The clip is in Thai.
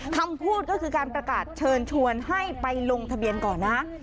คำพูดก็คือการประกาศเชิญชวนให้ไปลงทะเบียนก่อนนะ